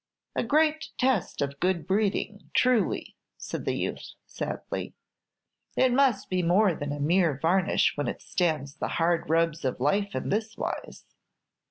"A great test of good breeding, truly," said the youth, sadly. "It must be more than a mere varnish when it stands the hard rubs of life in this wise."